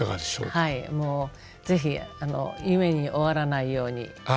はいもう是非夢に終わらないように。